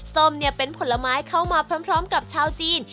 ส้มเนี่ยเป็นผลไม้เข้ามาพร้อมกับชาวจีน